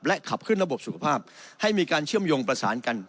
ขับขึ้นระบบสุขภาพให้มีการเชื่อมโยงประสานกัน